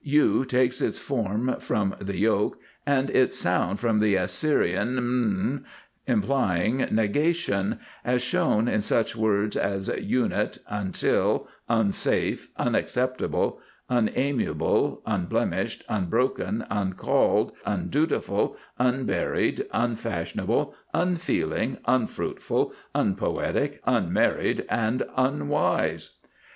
U takes its form from this yoke and its sound from the Assyrian UN, implying negation, as shown in such words as Unit, Until, Unsafe, Unacceptable, Un amiable, Unblemished, Unbroken, Uncalled, Undutiful, Unburied, Unfashionable, Unfeeling, Unfruitful, Unpoetic, Unmarried, and Unwise.